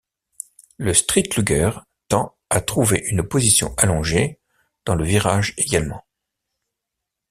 Le streetluger tend à trouver une position allongée dans le virage également.